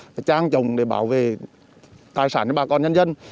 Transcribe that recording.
và trang trọng để bảo vệ tài sản cho bà con nhân dân